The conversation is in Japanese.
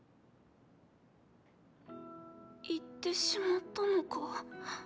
行ってしまったのか？